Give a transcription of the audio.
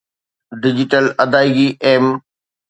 digital ادائيگي M